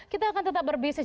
kita akan tetap berbisnis